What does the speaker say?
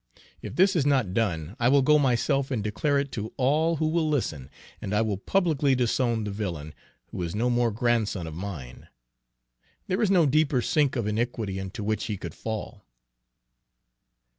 If this is not done, I will go myself and declare it to all who will listen, and I will publicly disown the villain who is no more grandson of mine. There is no deeper sink of iniquity into which he could fall."